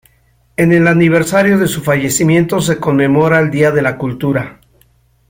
En el aniversario de su fallecimiento se conmemora el "Día de la Cultura".